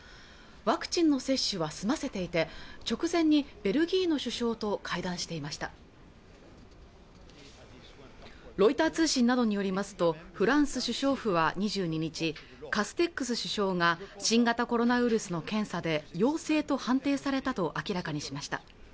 ワクチンの接種は済ませていて直前にベルギーの首相と会談していましたロイター通信などによりますとフランス首相府は２２日かカステックス首相が新型コロナウイルスの検査で陽性と判定されたと明らかにしました